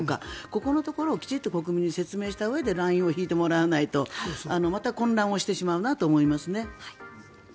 ここのところをきちんと国民に説明したうえでラインを引いてもらわないとまた混乱してしまうなと思いますね。